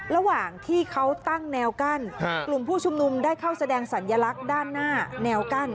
ระหว่างที่เขาตั้งแนวกั้นกลุ่มผู้ชุมนุมได้เข้าแสดงสัญลักษณ์ด้านหน้าแนวกั้น